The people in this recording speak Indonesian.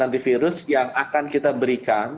antivirus yang akan kita berikan